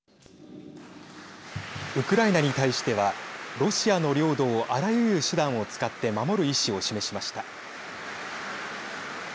ウクライナに対してはロシアの領土をあらゆる手段を使って守る意思を示しました。